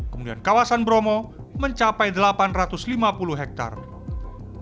kemudian kawasan bromo mencapai delapan ratus lima puluh hektare